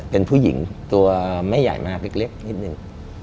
เป็นผู้หญิงตัวไม่ใหญ่มากเล็กนิดนึง